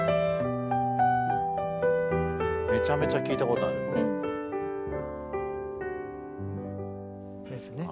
めちゃめちゃ聞いたことある。ですね？